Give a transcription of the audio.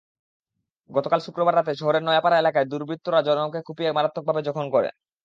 গতকাল শুক্রবার রাতে শহরের নয়াপাড়া এলাকায় দুর্বৃত্তরা জনমকে কুপিয়ে মারাত্মকভাবে জখম করে।